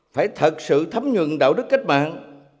phải thật sự thấm nhuận đạo đức cách mạng